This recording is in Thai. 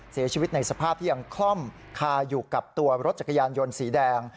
เสียชีวิตในสภาพที่ยังคล่อมคาอยู่กับตัวรถจักรยานยนต์สีแดง